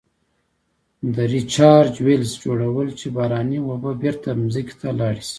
د Recharge wells جوړول چې باراني اوبه بیرته ځمکې ته لاړې شي.